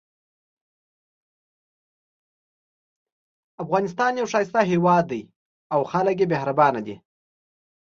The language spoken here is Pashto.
افغانستان یو ښایسته هیواد ده او خلک یې مهربانه دي